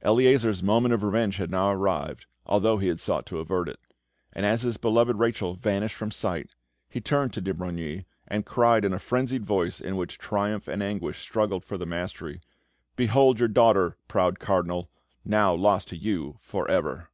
Eleazar's moment of revenge had now arrived, although he had sought to avert it; and as his beloved Rachel vanished from sight, he turned to de Brogni, and cried in a frenzied voice in which triumph and anguish struggled for the mastery, "Behold, your daughter, proud Cardinal, now lost to you for ever!"